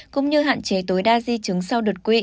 cũng như hạn chế tối đa di chứng sau đột quỵ